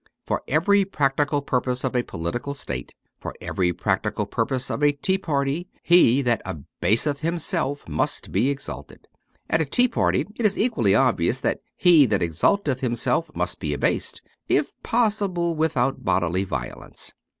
For every practical purpose of a political state, for every practical purpose of a tea party, he that abaseth himself must be exalted. At a tea party it is equally obvious that he that exalteth himself must be abased, if possible without bodily violence.